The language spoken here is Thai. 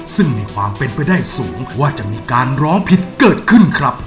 ซึ่งมีความเป็นไปได้สูงว่าจะมีการร้องผิดเกิดขึ้นครับ